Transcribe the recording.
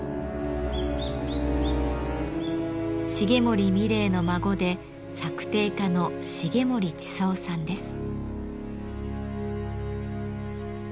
重森三玲の孫で作庭家の重森千さんです。